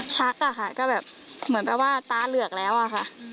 ชักอะค่ะก็แบบเหมือนแปลว่าตาเหลือกแล้วอะค่ะ